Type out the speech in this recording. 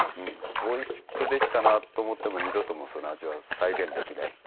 おいしくできたなと思っても二度ともうその味は再現できないっていう。